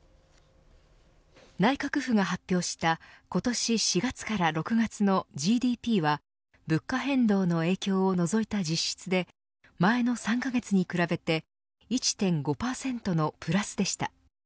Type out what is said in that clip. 内閣府が発表した今年４月から６月のＧＤＰは物価変動の影響を除いた実質で前の３カ月に比べて１．５％のプラスでした。